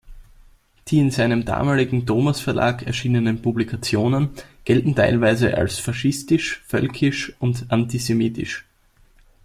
Die in seinem damaligen Thomas-Verlag erschienenen Publikationen gelten teilweise als faschistisch, völkisch und antisemitisch.